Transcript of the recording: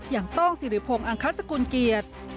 อย่างต้องศิริพงษ์อังคัตสกุลเกียจ